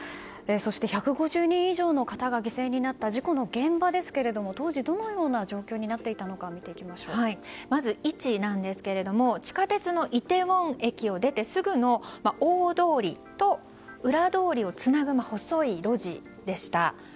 そして１５０人以上の方が犠牲になった事故の現場ですけど、当時どのような状況になっていたのかまず、位置なんですが地下鉄のイテウォン駅を出てすぐの大通りと裏通りをつなぐ細い路地でした。